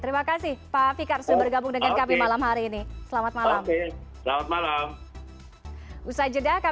terima kasih pak fikar sudah berjumpa lagi ya